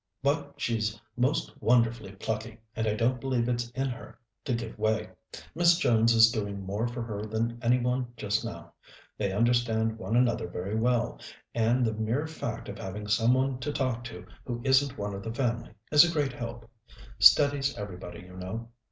But she's most wonderfully plucky, and I don't believe it's in her to give way. Miss Jones is doing more for her than any one just now. They understand one another very well, and the mere fact of having some one to talk to who isn't one of the family is a great help. Steadies everybody, you know.